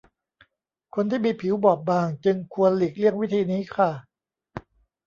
คนที่มีผิวบอบบางจึงควรหลีกเลี่ยงวิธีนี้ค่ะ